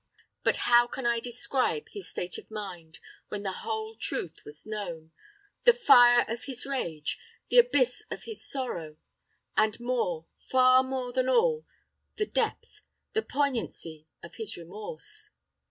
But how can I describe his state of mind when the whole truth was known, the fire of his rage, the abyss of his sorrow, and more, far more than all, the depth the poignancy of his remorse?